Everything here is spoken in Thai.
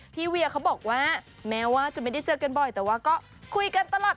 เวียเขาบอกว่าแม้ว่าจะไม่ได้เจอกันบ่อยแต่ว่าก็คุยกันตลอด